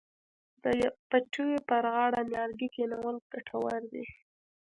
د پټیو پر غاړه نیالګي کینول ګټور دي.